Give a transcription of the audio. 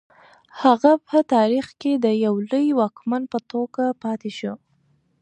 هغه په تاریخ کې د یو لوی واکمن په توګه پاتې شو.